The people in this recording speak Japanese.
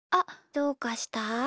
どうかした？